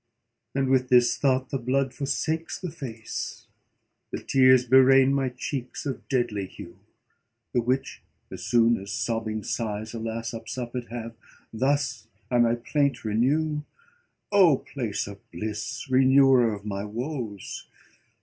And with this thought the blood forsakes the face; The tears berain my cheeks of deadly hue:The which, as soon as sobbing sighs, alas! Up suppéd have, thus I my plaint renew:"O place of bliss! renewer of my woes!